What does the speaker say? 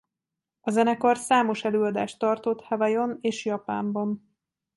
A zenekar számos előadást tartott Hawaiion és Japánban.